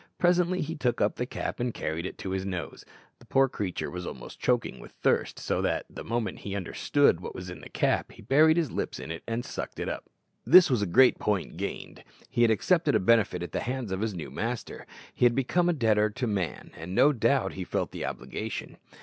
Presently he took up the cap and carried it to his nose. The poor creature was almost choking with thirst, so that, the moment he understood what was in the cap, he buried his lips in it and sucked it up. This was a great point gained: he had accepted a benefit at the hands of his new master; he had become a debtor to man, and no doubt he felt the obligation.